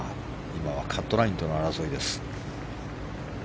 今はカットラインとの争いです。